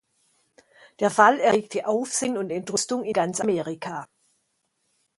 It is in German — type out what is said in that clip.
Der Fall erregte Aufsehen und Entrüstung in ganz Amerika.